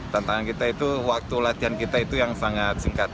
tantangan kita itu waktu latihan kita itu yang sangat singkat